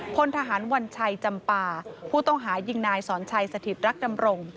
พลทหารวัญชัยจำปาผู้ต้องหายิงนายสอนชัยสถิตรักดำรง